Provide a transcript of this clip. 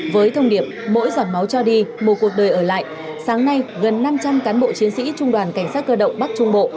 với thông điệp mỗi giọt máu cho đi một cuộc đời ở lại sáng nay gần năm trăm linh cán bộ chiến sĩ trung đoàn cảnh sát cơ động bắc trung bộ